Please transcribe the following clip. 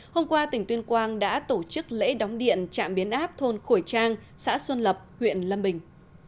hôm qua tỉnh tuyên quang đã tổ chức lễ đóng điện trạm biến áp thôn khổi trang xã xuân lập huyện lâm bình